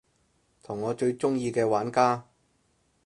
同我最鍾意嘅玩家